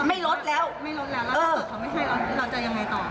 ไม่ลดแล้วแล้วถ้าตึกเขาไม่ให้เราจะยังไงต่อ